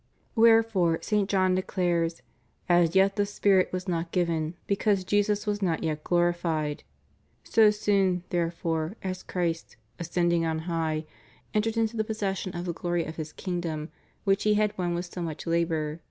Wherefore St. John declares: As yet the spirit was not given, because Jesus was not yet glorified^ So soon, therefore, as Christ, "ascending on high," entered into possession of the glory of His Kingdom which He had won with so much labor.